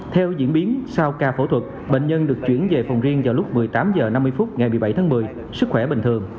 theo diễn biến sau ca phẫu thuật bệnh nhân được chuyển về phòng riêng vào lúc một mươi tám h năm mươi phút ngày một mươi bảy tháng một mươi sức khỏe bình thường